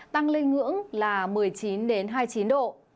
tăng lên ngưỡng là một mươi chín hai mươi chín độ